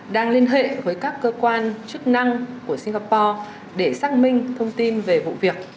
đang liên hệ với các cơ quan chức năng của singapore để xác minh thông tin về vụ việc